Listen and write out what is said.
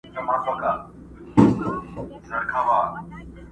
داسي ژوند کي لازمي بولمه مینه،